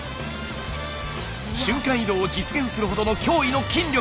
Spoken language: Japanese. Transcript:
瞬間移動を実現するほどの驚異の筋力！